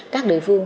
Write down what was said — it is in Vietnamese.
các địa phương